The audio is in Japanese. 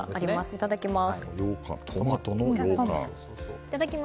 いただきます。